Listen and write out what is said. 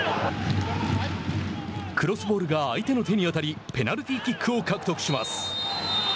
クロスボールが相手の手に当たりペナルティーキックを獲得します。